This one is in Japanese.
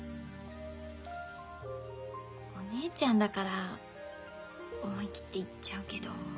お姉ちゃんだから思い切って言っちゃうけど。